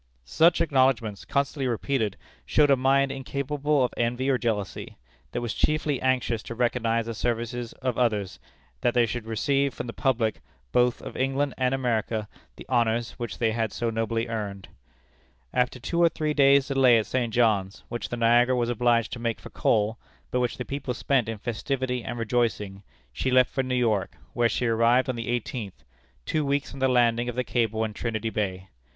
Such acknowledgments, constantly repeated, showed a mind incapable of envy or jealousy; that was chiefly anxious to recognize the services of others, and that they should receive from the public, both of England and America, the honors which they had so nobly earned. After two or three days' delay at St. John's, which the Niagara was obliged to make for coal, but which the people spent in festivity and rejoicing, she left for New York, where she arrived on the eighteenth two weeks from the landing of the cable in Trinity Bay.